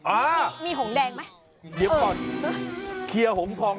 อ้าอมีหงษ์แดงไหมเออเดี๋ยวก่อน